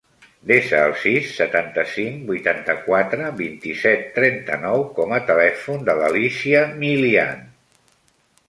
Desa el sis, setanta-cinc, vuitanta-quatre, vint-i-set, trenta-nou com a telèfon de l'Alícia Milian.